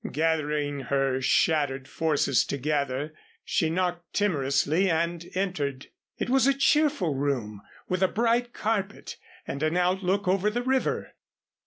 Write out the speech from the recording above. Gathering her shattered forces together, she knocked timorously and entered. It was a cheerful room with a bright carpet and an outlook over the river.